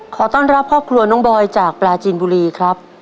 ขอต้อนรับครอบครัวน้องบอยจากปลาจีนบุรีครับ